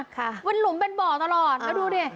ค่ะเป็นหลุมเป็นบ่อตลอดแล้วดูดิ